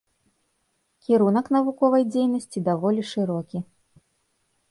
Кірунак навуковай дзейнасці даволі шырокі.